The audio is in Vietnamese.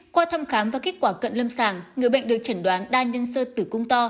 qua thăm khám và kết quả cận lâm sàng người bệnh được chẩn đoán đa nhân sơ tử cung to